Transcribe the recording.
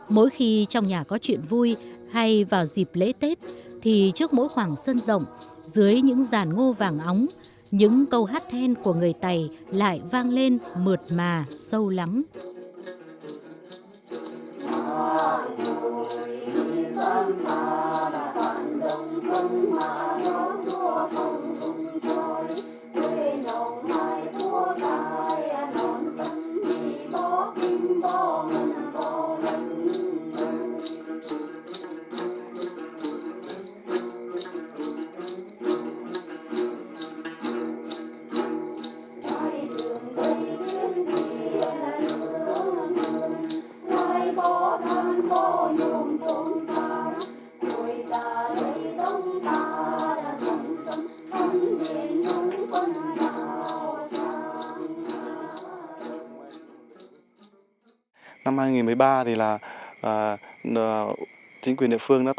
mỗi khi trong nhà có chuyện vui hay vào dịp lễ tết thì trước mỗi khoảng sân rộng dưới những ràn ngô vàng óng những câu hát then của người tày lại vang lên mượt mà sâu lắm